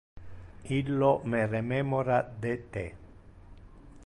Illo me rememorava de te.